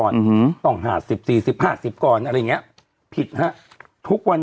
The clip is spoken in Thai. เราก็มีความหวังอะ